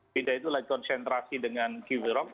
bila itu lagi konsentrasi dengan kiwirok